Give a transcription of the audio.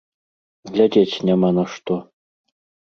Глядзець няма на што.